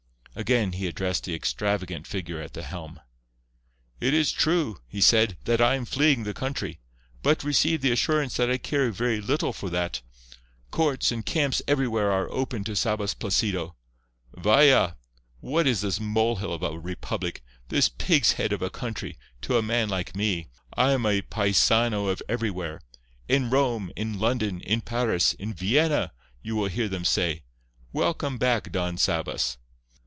Again he addressed the extravagant figure at the helm. "It is true," he said, "that I am fleeing the country. But, receive the assurance that I care very little for that. Courts and camps everywhere are open to Sabas Placido. Vaya! what is this molehill of a republic—this pig's head of a country—to a man like me? I am a paisano of everywhere. In Rome, in London, in Paris, in Vienna, you will hear them say: 'Welcome back, Don Sabas.